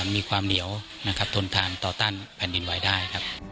มีความเหนียวทนทานต่อต้านแผ่นดินไหว้ได้